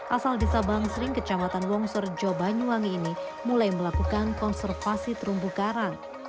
asal desa bangsering kecamatan wongsorejo banyuwangi ini mulai melakukan konservasi terumbu karang